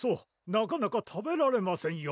なかなか食べられませんよ